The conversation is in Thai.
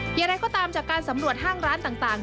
อย่างไรก็ตามจากการสำรวจห้างร้านต่าง